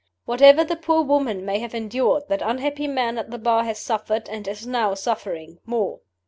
Whatever the poor woman may have endured, that unhappy man at the Bar has suffered, and is now suffering, more.